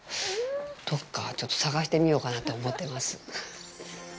どっかちょっと探してみようかなと思ってます。